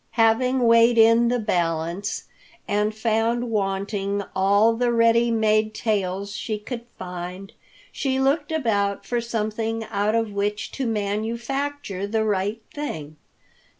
Having weighed in the balance and found wanting all the ready made tails she could find, she looked about for something out of which to manufacture the right thing.